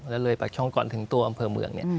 และเลยปักช่องก่อนถึงตัวอำเภอเมือง